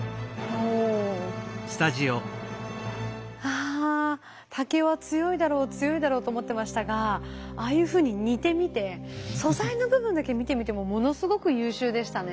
あ竹は強いだろう強いだろうと思ってましたがああいうふうに煮てみて素材の部分だけ見てみてもものすごく優秀でしたね。